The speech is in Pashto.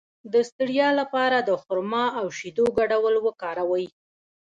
د ستړیا لپاره د خرما او شیدو ګډول وکاروئ